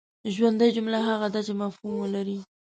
ژوندۍ جمله هغه ده چي مفهوم ولري.